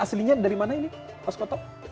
aslinya dari mana ini mas kotok